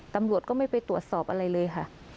ตำรวจก็ไม่ไปตรวจสอบอะไรเลยค่ะ